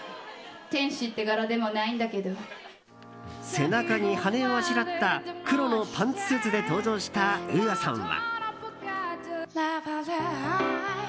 背中に羽をあしらった黒のパンツスーツで登場したＵＡさんは。